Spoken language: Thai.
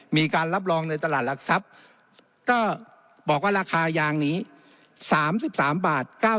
มีการรับรองในตลาดหลักทรัพย์ก็บอกว่าราคายางนี้๓๓บาท